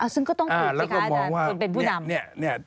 ซึ่งก็ต้องคุยสิคะคุณเป็นผู้นำ